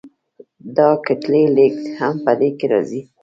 د کتلې لیږد هم په دې کې راځي.